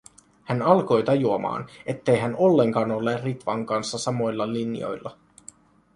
Hän alkoi tajuamaan, ettei hän ollenkaan ole Ritvan kanssa samoilla linjoilla.